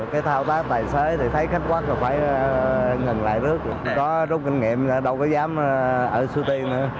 cái thao tác tài xế thì thấy khách quát phải ngừng lại rước có rút kinh nghiệm đâu có dám ở suối tiên nữa